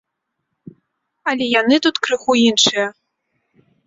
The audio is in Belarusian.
Але яны тут крыху іншыя.